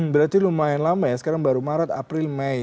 berarti lumayan lama ya sekarang baru maret april mei